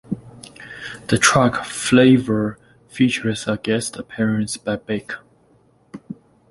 The track "Flavor" features a guest appearance by Beck.